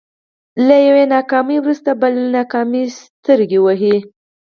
له يوې ناکامي وروسته بله کاميابي سترګکونه وهي.